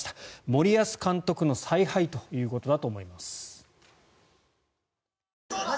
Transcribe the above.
森保監督の采配ということだと思います。